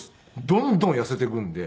どんどん痩せていくんで。